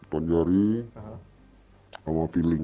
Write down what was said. kekuatan jari sama feeling